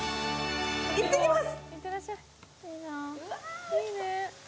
いってきます！